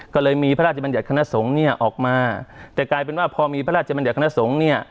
ก็เลยมีพระราชบัญญัติคณะสงฆ์เนี่ยออกมาแต่กลายเป็นว่าพอมีพระราชบัญญัคณะสงฆ์เนี่ย